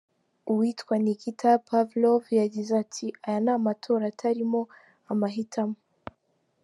Uwitwa Nikita Pavlov, yagize ati “Aya ni amatora atarimo amahitamo.